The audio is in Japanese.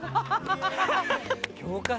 教科書